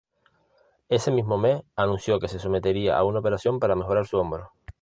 Ese mismo mes, anunció que se sometería a una operación para mejorar su hombro.